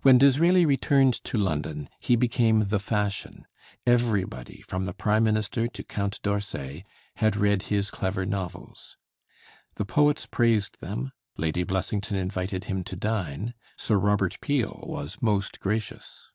When Disraeli returned to London he became the fashion. Everybody, from the prime minister to Count D'Orsay, had read his clever novels. The poets praised them, Lady Blessington invited him to dine, Sir Robert Peel was "most gracious."